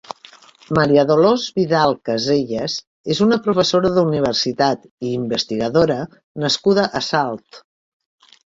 María Dolors Vidal Casellas és una professora d'universitat i investigadora nascuda a Salt.